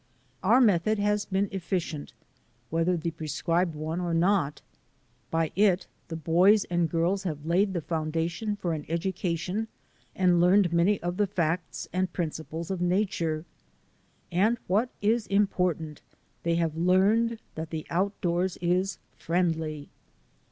Our method has been efficient, whether the pre scribed one or not. By it the boys and girls have laid the foundation for an education and learned many of the facts and principles of nature. And, 1 68 THE ADVENTURES OF A NATURE GUIDE what is important, they have learned that the out doors is friendly.